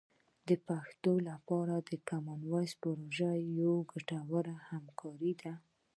د پښتو لپاره کامن وایس پروژه یوه ګټوره همکاري ده.